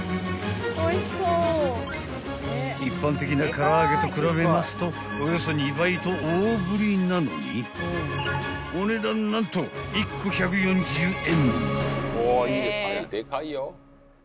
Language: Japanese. ［一般的なから揚げと比べますとおよそ２倍と大ぶりなのにお値段何と１個１４０円］